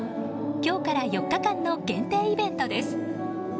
今日から４日間の限定イベントです。